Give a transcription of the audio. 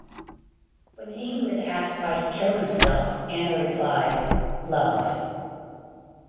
When Ingrid asks why he killed himself, Anna replies, Love.